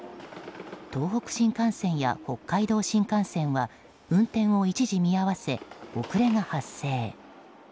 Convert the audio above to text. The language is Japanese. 東北新幹線や北海道新幹線は運転を一時見合わせ遅れが発生。